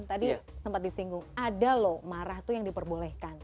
ada loh marah tuh yang diperbolehkan